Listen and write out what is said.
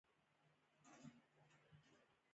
په ورځ کې یې محلونه بررسي کول.